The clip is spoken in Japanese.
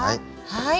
はい。